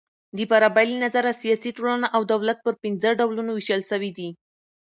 د فارابۍ له نظره سیاسي ټولنه او دولت پر پنځه ډولونو وېشل سوي دي.